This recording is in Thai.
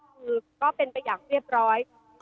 คือก็เป็นไปอย่างเรียบร้อย